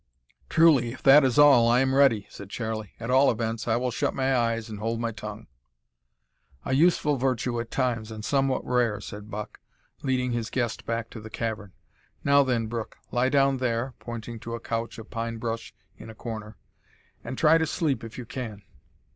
"Truly, if that is all, I am ready," said Charlie; "at all events I will shut my eyes and hold my tongue." "A useful virtue at times, and somewhat rare," said Buck, leading his guest back into the cavern. "Now, then, Brooke, lie down there," pointing to a couch of pine brush in a corner, "and try to sleep if you can."